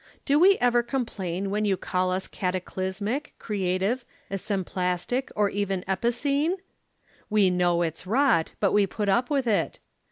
Do we ever complain when you call us cataclysmic, creative, esemplastic, or even epicene? We know it's rot, but we put up with it.